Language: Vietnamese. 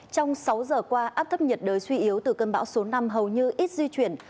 trong sáu giờ qua áp thấp nhiệt đới suy yếu từ cơn bão số năm hầu như ít di chuyển